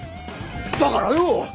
だからよ！